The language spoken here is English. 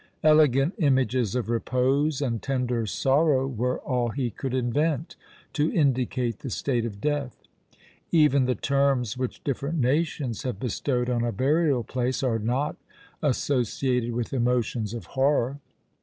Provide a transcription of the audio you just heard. Elegant images of repose and tender sorrow were all he could invent to indicate the state of death. Even the terms which different nations have bestowed on a burial place are not associated with emotions of horror.